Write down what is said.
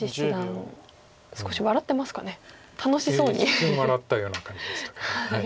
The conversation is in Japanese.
一瞬笑ったような感じでした。